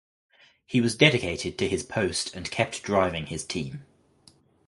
He was dedicated to his post and kept driving his team.